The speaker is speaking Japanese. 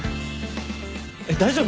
えっ大丈夫？